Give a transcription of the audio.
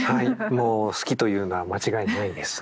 もう好きというのは間違いないですね。